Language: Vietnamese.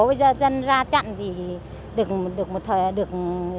bây giờ dân ra chặn thì được một thời gian được